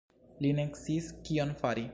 Li ne sciis kion fari.